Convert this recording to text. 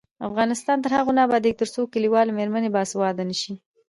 افغانستان تر هغو نه ابادیږي، ترڅو کلیوالې میرمنې باسواده نشي.